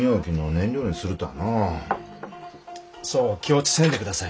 そう気落ちせんでください